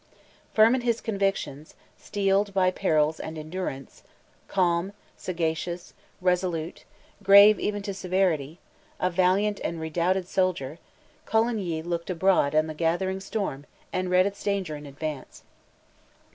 Firm in his convictions, steeled by perils and endurance, calm, sagacious, resolute, grave even to severity, a valiant and redoubted soldier, Coligny looked abroad on the gathering storm and read its danger in advance.